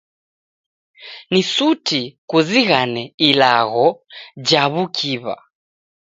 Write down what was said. Ni suti kuzighane ilagho ja w'ukiw'a.